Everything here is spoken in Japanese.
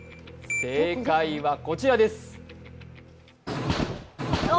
正解はこちらです。